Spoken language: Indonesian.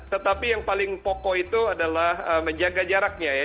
tetapi yang paling pokok itu adalah menjaga jaraknya ya